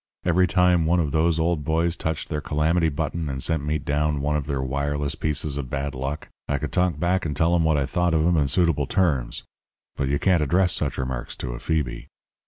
Every time one of those old boys touched their calamity button and sent me down one of their wireless pieces of bad luck, I could talk back and tell 'em what I thought of 'em in suitable terms. But you can't address such remarks to a Phoebe.'